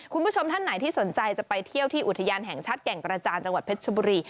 คุณผู้ชมท่านไหนที่สนใจจะไปเที่ยวที่อุทยานแห่งชาติแก่งกระจานจังหวัดเพชรชบุรี